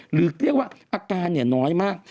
หรือเรียกว่าอาการน้อยมาก